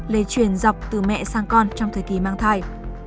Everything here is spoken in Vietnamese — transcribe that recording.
lệ chuyển dọc từ mẹ sang con trong thời kỳ mang thai